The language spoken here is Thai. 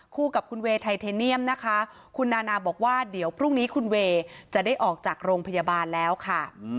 กับคุณเวย์ไทเทเนียมนะคะคุณนานาบอกว่าเดี๋ยวพรุ่งนี้คุณเวย์จะได้ออกจากโรงพยาบาลแล้วค่ะ